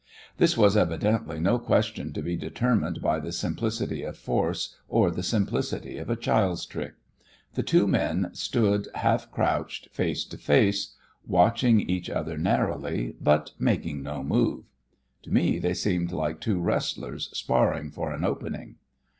This was evidently no question to be determined by the simplicity of force or the simplicity of a child's trick. The two men stood half crouched, face to face, watching each other narrowly, but making no move. To me they seemed like two wrestlers sparring for an opening.